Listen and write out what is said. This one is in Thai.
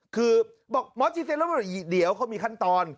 คือบอกหมอชิดแล้วเดี๋ยวเขามีขั้นตอน